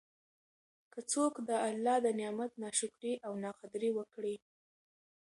که څوک د الله د نعمت نا شکري او نا قدري وکړي